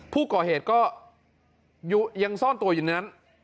ผู้ก่อเหตุก็ยังซ่อนตัวอยู่ในนั้น